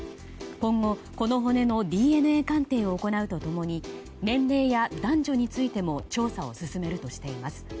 今後、この骨のＤＮＡ鑑定を行うと共に年齢や男女についても調査を進めるとしています。